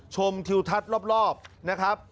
ชมทิวทัศน์รอบนะครับ